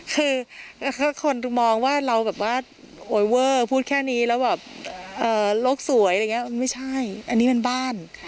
คือคนมองว่าเราแบบว่าโอ๊ยเวอร์พูดแค่นี้แล้วแบบโลกสวยอะไรอย่างนี้มันไม่ใช่อันนี้มันบ้าน